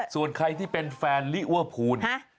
ส่วนใครที่เป็นแฟนลิเวอร์พูล